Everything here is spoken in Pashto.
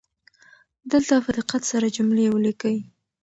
دلته په دقت سره جملې ولیکئ.